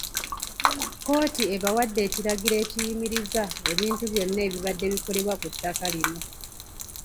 Kkooti ebawadde ekiragiro ekiyimiriza ebintu byonna ebibadde bikolebwa ku ttaka lino